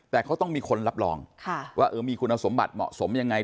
แต่เขาต้องมีคนรับรองว่ามีคุณสมบัติเหมาะสมยังไง